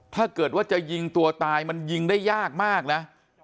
ถ้าเกิดว่าจะยิงตัวตายมันยิงได้ยากมากนะ